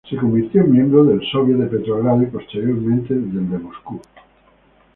Se convirtió en miembro del Sóviet de Petrogrado y posteriormente del de Moscú.